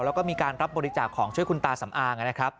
แล้วก็มีการรับบริจาคของช่วยคุณตาสำอางนะครับ